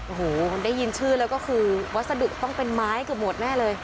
โอ้โหได้ยินชื่อแล้วก็คือวัสดุต้องเป็นไม้เกือบหมดแน่เลย